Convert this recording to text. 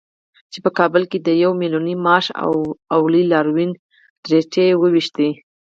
چې په کابل کې یې د يو ميليوني مارش او لوی لاريون ډرتې وويشتې.